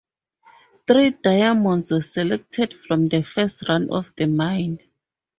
Three diamonds were selected from the first run of the mine.